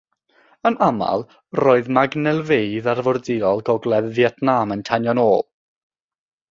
Yn aml, roedd magnelfeydd arfordirol Gogledd Fietnam yn tanio'n ôl.